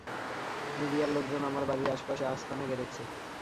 মিডিয়ার লোকজন আমার বাড়ির আশপাশে আস্তানা গেড়েছে।